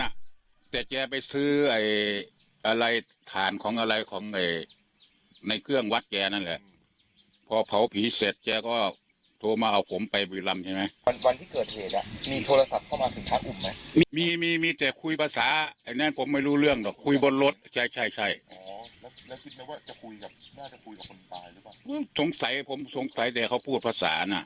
น่าจะคุยกับคนตายหรือเปล่าสงสัยผมสงสัยแต่เขาพูดภาษาน่ะ